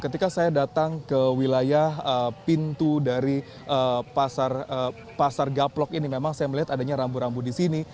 ketika saya datang ke wilayah pintu dari pasar gaplok ini memang saya melihat adanya rambu rambu di sini